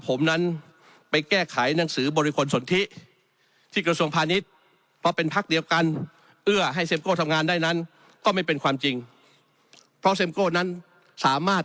ผมนั้นไปแก้ไขหนังสือบริษัทลูกสนิท